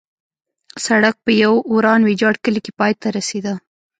سړک په یو وران ویجاړ کلي کې پای ته رسېده.